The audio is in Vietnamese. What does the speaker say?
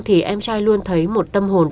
thì em trai luôn thấy một tâm hồn